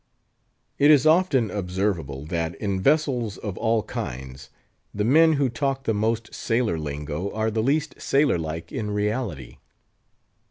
It is often observable, that, in vessels of all kinds, the men who talk the most sailor lingo are the least sailor like in reality.